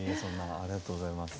ありがとうございます。